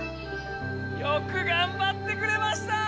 よくがんばってくれました！